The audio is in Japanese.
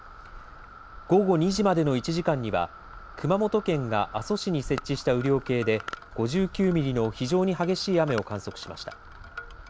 午後２時までの９時間には熊本県が阿蘇市に設置した雨量計で５９ミリの非常に激しい雨を観測しました。